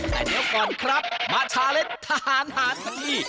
แต่เดี๋ยวก่อนครับมาชาลเทศทหารหาสัตว์ที่